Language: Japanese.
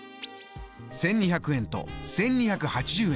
１２００円と１２８０円。